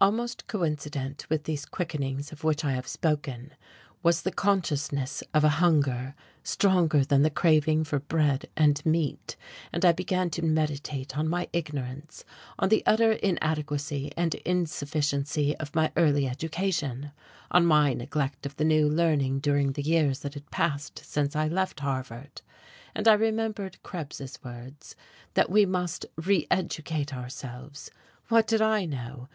Almost coincident with these quickenings of which I have spoken was the consciousness of a hunger stronger than the craving for bread and meat, and I began to meditate on my ignorance, on the utter inadequacy and insufficiency of my early education, on my neglect of the new learning during the years that had passed since I left Harvard. And I remembered Krebs's words that we must "reeducate ourselves." What did I know?